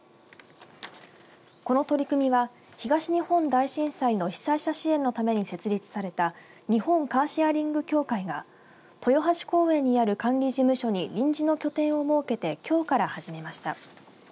この取り組みは東日本大震災の被災者支援のために設立された日本カーシェアリング協会が豊橋公園にある管理事務所に臨時の拠点を設けてきょうから始めました。